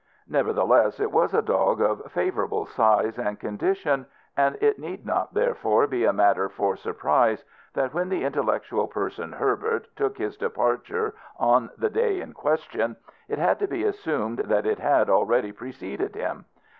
Nevertheless it was a dog of favourable size and condition, and it need not therefore be a matter for surprise that when the intellectual person Herbert took his departure on the day in question it had to be assumed that it had already preceded him.